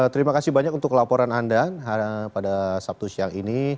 terima kasih banyak untuk laporan anda pada sabtu siang ini